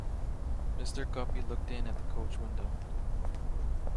Mr. Guppy looked in at the coach-window.